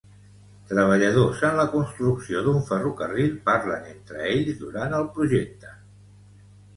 Treballadors en la construcció d'un ferrocarril parlen entre ells durant el projecte.